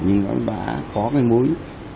nhưng nó đã có cái mối